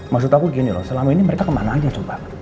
maksud aku gini loh selama ini mereka kemana aja coba